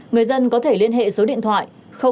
người dân có thể liên hệ số điện thoại